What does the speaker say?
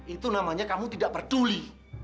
itu namanya kamu tidak peduli